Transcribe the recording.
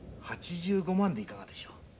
８５万でいかがでしょう？